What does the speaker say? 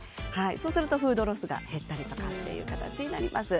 そうするとフードロスが減ったりという形になります。